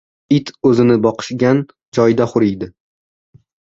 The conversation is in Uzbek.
• It o‘zini boqishgan joyda huriydi.